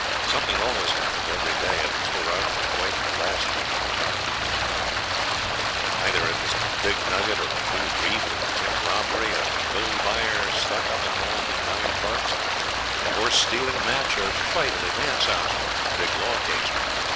Something always happened every day at the Turon which wiped the last thing clean out of people's mind. Either it was a big nugget, or a new reef, or a tent robbery, a gold buyer stuck up and robbed in the Ironbarks, a horse stealing match, a fight at a dance house, or a big law case.